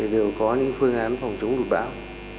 đều có những phương án phòng chống đột bão